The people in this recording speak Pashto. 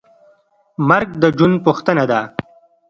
مرګ د ژوند پوښتنه ده.